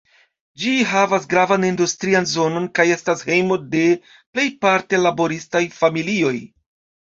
Ĝi havas gravan industrian zonon kaj estas hejmo de plejparte laboristaj familioj.